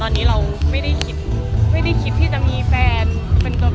โอกาสพัฒนาลินว่าเรื่องพวกนี้มันเป็น